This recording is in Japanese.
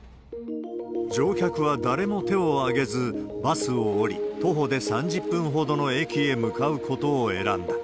乗客は誰も手を挙げず、バスを降り、徒歩で３０分ほどの駅へ向かうことを選んだ。